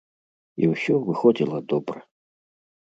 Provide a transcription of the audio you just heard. І ўсё выходзіла добра.